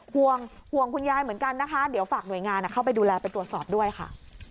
ห่วงห่วงคุณยายเหมือนกันนะคะเดี๋ยวฝากหน่วยงานเข้าไปดูแลไปตรวจสอบด้วยค่ะ